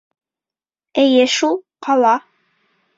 — Эйе шул, ҡала.